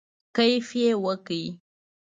کیف یې وکړ.